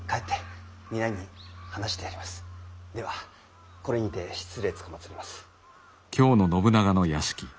ではこれにて失礼つかまつります。